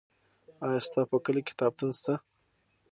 آیا ستا په کلي کې کتابتون سته؟